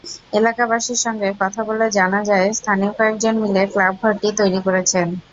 এলাকাবাসীর সঙ্গে কথা বলে জানা যায়, স্থানীয় কয়েকজন মিলে ক্লাবঘরটি তৈরি করেছেন।